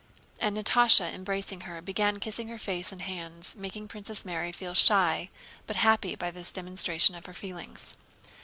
And Natásha, embracing her, began kissing her face and hands, making Princess Mary feel shy but happy by this demonstration of her feelings.